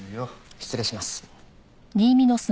失礼します。